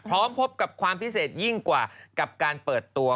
พบกับความพิเศษยิ่งกว่ากับการเปิดตัว